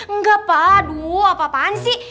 enggak pak waduh apa apaan sih